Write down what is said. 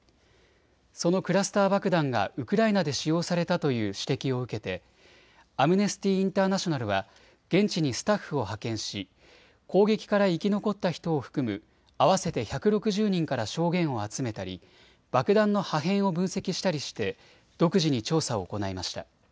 そのクラスター爆弾がウクライナで使用されたという指摘を受けてアムネスティ・インターナショナルは現地にスタッフを派遣し攻撃から生き残った人を含む合わせて１６０人から証言を集めたり爆弾の破片を分析したりして独自に調査を行いました。